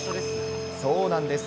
そうなんです。